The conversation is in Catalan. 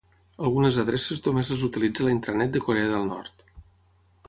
Algunes adreces només les utilitza la Intranet de Corea del Nord.